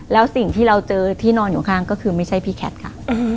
แล้วสิ่งที่เราเจอที่นอนอยู่ข้างก็คือไม่ใช่พี่แคทค่ะ